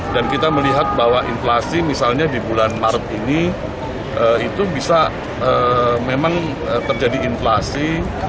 dan kita melihat bahwa inflasi misalnya di bulan maret ini itu bisa memang terjadi inflasi